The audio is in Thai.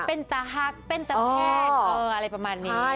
เป็นตะหักเป็นตะแพงถึงเมื่อกี้